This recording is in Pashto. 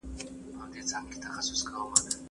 موږ عددونه په آسانۍ سره وایو.